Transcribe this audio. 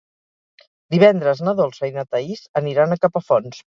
Divendres na Dolça i na Thaís aniran a Capafonts.